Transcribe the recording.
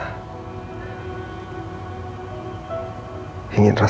aku kangen dengan rena